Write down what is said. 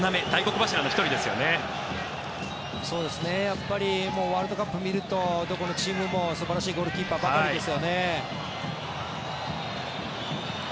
やっぱりワールドカップを見るとどこのチームも素晴らしいゴールキーパーばかりですよね。